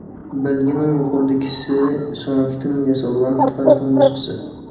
بەلگىنىڭ يۇقىرىدىكىسى سۆڭەكتىن ياسالغان تاجنىڭ نۇسخىسى.